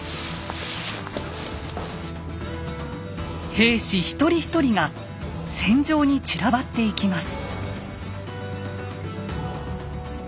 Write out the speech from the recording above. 兵士一人一人が戦場に散らばっていきます。